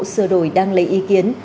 sửa đổi đang lấy ý kiến